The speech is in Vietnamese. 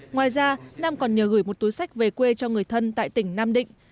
ngoài ra nam còn nhờ gửi một túi sách về quê cho người thân tại tỉnh nam định